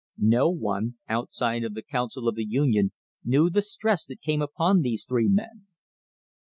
No one outside of the Council of the Union knew the stress that came upon these three men.